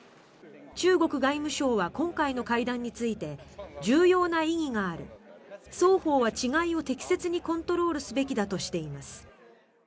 中国外務省は今回の会談について重要な意義がある双方は違いを適切にコントロールすべきだとしています。